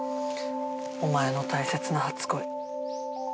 お前の大切な初恋